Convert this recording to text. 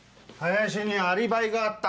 林にアリバイがあった。